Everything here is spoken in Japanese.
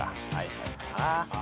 はい。